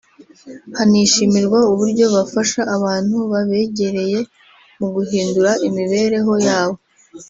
hanishimirwa uburyo bafasha abantu babegereye mu guhindura imibereho yabo